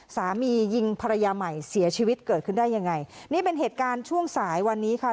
สามียิงภรรยาใหม่เสียชีวิตเกิดขึ้นได้ยังไงนี่เป็นเหตุการณ์ช่วงสายวันนี้ค่ะ